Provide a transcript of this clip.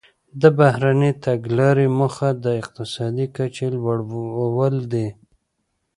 د بهرنۍ تګلارې موخه د اقتصادي کچې لوړول دي